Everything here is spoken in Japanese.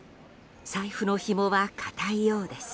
財布のひもは固いようです。